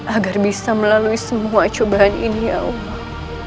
agar bisa melalui semua cobaan ini ya allah